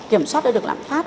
kiểm soát được lạng phát